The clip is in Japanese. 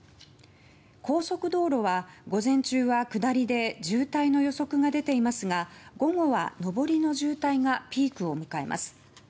高速道路は午前中は下りで渋滞の予測が出ていますが午後は上りの渋滞がピークを迎えます。